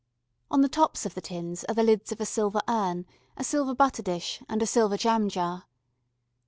On the tops of the tins are the lids of a silver urn, a silver butter dish, and a silver jam jar.